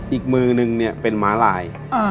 อีกมือนึงเป็นหมาลาย